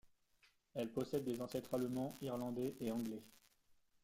Elle possède des ancêtres allemands, irlandais et anglais..